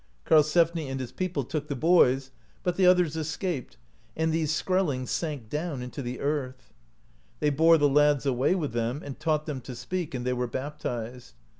Karlsefni and his people took the boys, but the others escaped, and these Skrellings sank down into the earth. They bore the lads away with them, and taught them to speak, and they were baptized.